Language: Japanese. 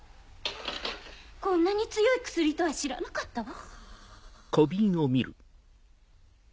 こんなに強い薬とは知らなかったわ。